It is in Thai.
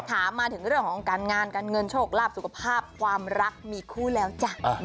ถามมาถึงเรื่องของการงานการเงินโชคลาภสุขภาพความรักมีคู่แล้วจ้ะ